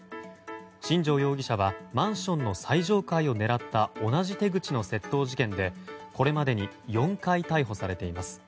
新城容疑者はマンションの最上階を狙った同じ手口の窃盗事件でこれまでに４回逮捕されています。